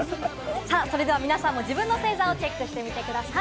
皆さんもご自身の星座をチェックしてみてください。